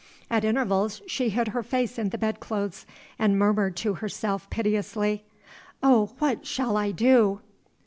At intervals she hid her face in the bedclothes and murmured to herself piteously, "Oh, what shall I do?